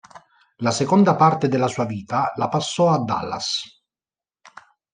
La seconda parte della sua vita la passò a Dallas.